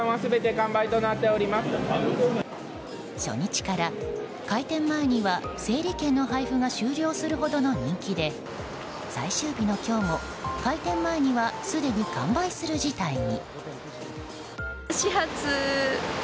初日から開店前には整理券の配布が終了するほどの人気で最終日の今日も開店前にはすでに完売する事態に。